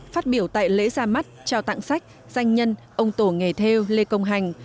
phát biểu tại lễ ra mắt trao tặng sách danh nhân ông tổ nghề theo lê công hành